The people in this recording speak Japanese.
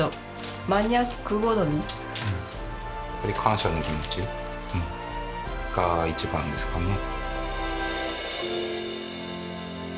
感謝の気持ちが一番ですかね。